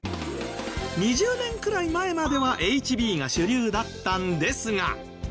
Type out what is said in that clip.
２０年くらい前まではＨＢが主流だったんですが。